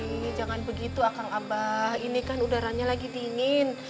ini jangan begitu akan abah ini kan udaranya lagi dingin